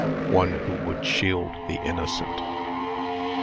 ONE WHO WOULD SHIELD THE INNOCENT.